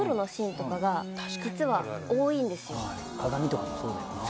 鏡とかもそうだよなぁ。